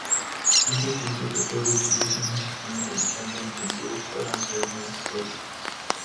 Ambos tipos de juego, utilizan un sistema comercial de incentivos para atraer nuevos usuarios.